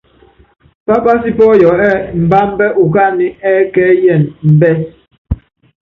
Pápási pɔ́yɔ ɛ́ɛ́ mbambɛ́ ukánɛ ɛ́kɛ́yɛnɛ mbɛ́s.